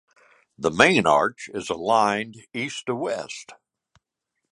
The main arch is aligned east to west.